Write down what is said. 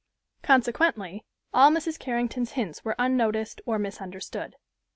Consequently, all Mrs. Carrington's hints were unnoticed or misunderstood.